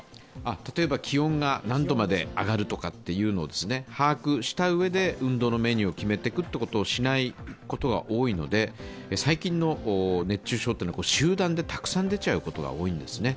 例えば気温が何度まで上がるとかっていうのを把握したうえで運動のメニューを決めていくことをしないことが多いので最近の熱中症っていうのは集団でたくさん出ちゃうことが多いんですね。